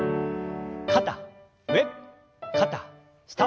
肩上肩下。